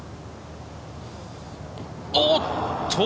おっと！